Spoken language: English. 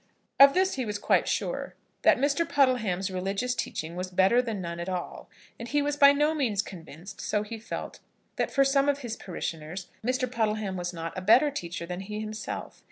Of this he was quite sure, that Mr. Puddleham's religious teaching was better than none at all; and he was by no means convinced, so he said, that, for some of his parishioners, Mr. Puddleham was not a better teacher than he himself.